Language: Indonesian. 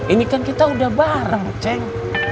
ini kan kita udah bareng ceng